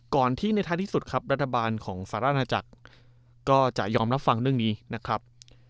ก่อนที่ในท้ายที่สุดครับรัฐบาลของสหราชนาจักรก็จะยอมรับฟังเรื่องนี้นะครับ